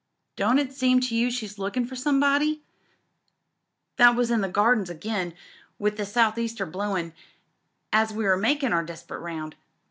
* Don't it seem to you she's lookin' for somebody ?' That was in the Gardens a^ain, with the South Easter blowin' as we were makin' our desperate round.